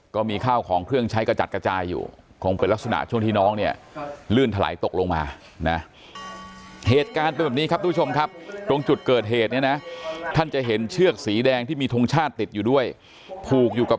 ก็มีข้าวของเครื่องใช้กระจัดกระจายอยู่คงเป็นลักษณะช่วงที่น้องเนี่ย